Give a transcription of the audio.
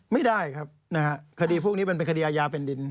ไม่ได้ครับนะฮะคดีพวกนี้มันเป็นคดีอาญาแผ่นดิน